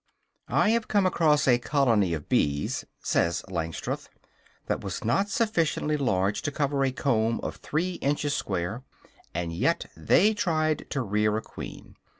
"I have come across a colony of bees," says Langstroth, "that was not sufficiently large to cover a comb of three inches square, and yet they tried to rear a queen.